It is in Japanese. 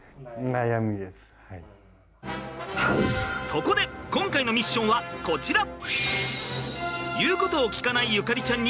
そこで今回のミッションはこちら！